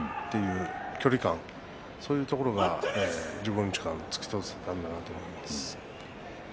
距離感、そういうところが１５日間突き通せたと思います。